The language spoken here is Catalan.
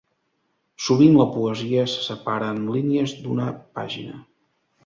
Sovint la poesia se separa en línies d'una pàgina.